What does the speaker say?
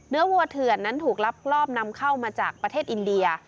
วัวเถื่อนนั้นถูกลักลอบนำเข้ามาจากประเทศอินเดีย